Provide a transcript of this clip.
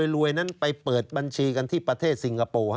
รวยนั้นไปเปิดบัญชีกันที่ประเทศสิงคโปร์